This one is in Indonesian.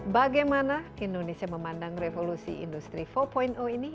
bagaimana indonesia memandang revolusi industri empat ini